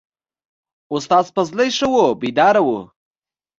استاد فضلي ښه وو بیداره و.